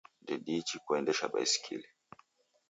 Ndediichi kuenjesha baiskili